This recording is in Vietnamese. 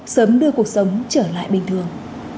sớm đưa cuộc sống trở lại bình thường